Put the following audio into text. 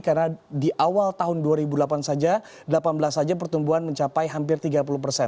karena di awal tahun dua ribu delapan saja delapan belas saja pertumbuhan mencapai hampir tiga puluh persen